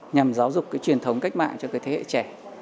nhằm giáo dục cái truyền thống cách mạng cho cái thế hệ trẻ